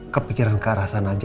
kepikiran ke arah sana aja